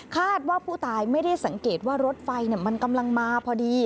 คาดว่าผู้ตายไม่ได้สังเกตว่ารถไฟมันกำลังมาพอดี